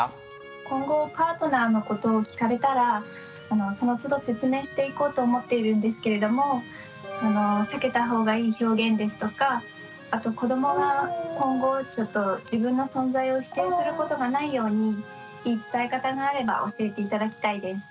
今後パートナーのことを聞かれたらそのつど説明していこうと思っているんですけれども避けたほうがいい表現ですとかあと子どもが今後自分の存在を否定することがないようにいい伝え方があれば教えて頂きたいです。